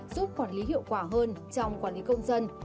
giúp quản lý hiệu quả hơn trong quản lý công dân